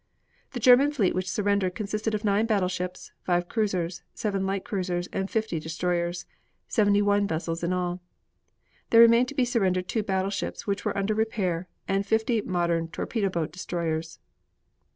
The German fleet which surrendered consisted of nine battleships, five cruisers, seven light cruisers and fifty destroyers, Seventy one vessels in all. There remained to be surrendered two battleships, which were under repair, and fifty modern torpedo boat destroyers.